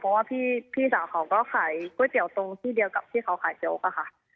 เพราะว่าพี่สาวเขาก็ขายก๋วยเตี๋ยวตรงที่เดียวกับที่เขาขายโจ๊กอะค่ะ